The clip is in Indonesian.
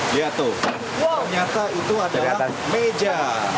lihat tuh ternyata itu adalah meja